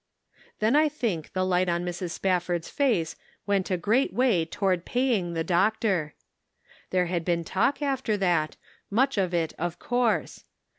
Then I think the light on Mrs. Spafford's face went a great way toward paying the doc tor. There had been talk after that, much of it, of course.